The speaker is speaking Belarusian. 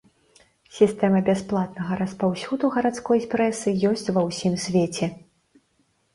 Сістэма бясплатнага распаўсюду гарадской прэсы ёсць ва ўсім свеце.